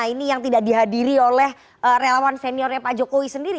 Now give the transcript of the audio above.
ini yang tidak dihadiri oleh relawan seniornya pak jokowi sendiri